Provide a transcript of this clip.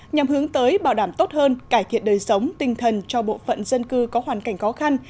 nhằm hướng tới bảo đảm tốt hơn cải thiện đời sống tinh thần cho bộ phận dân cư có hoàn cảnh khó khăn